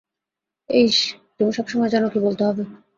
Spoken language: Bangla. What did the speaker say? এইস, তুমি সবসময় জানো কী বলতে হবে।